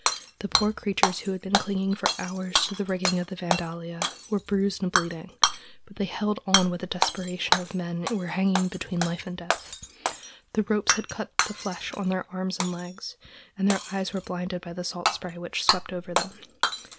The poor creatures who had been clinging for hours to the rigging of the Vandalia were bruised and bleeding; but they held on with the desperation of men who were hanging between life and death. The ropes had cut the flesh on their arms and legs, and their eyes were blinded by the salt spray which swept over them.